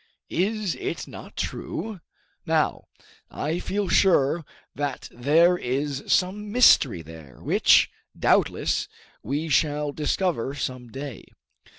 Is it not true? Now, I feel sure that there is some mystery there, which, doubtless, we shall discover some day.